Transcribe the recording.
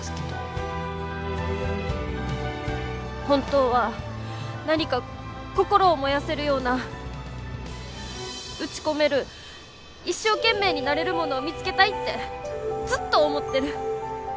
本当は何か心を燃やせるような打ち込める一生懸命になれるものを見つけたいってずっと思ってる。